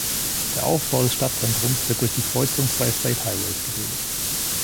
Der Aufbau des Stadtzentrums wird durch die Kreuzung zweier State Highways gebildet.